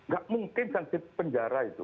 gak mungkin sanksi penjara itu